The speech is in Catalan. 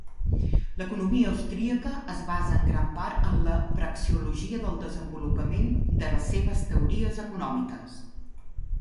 L'economia austríaca es basa en gran part en la praxeologia del desenvolupament de les seves teories econòmiques.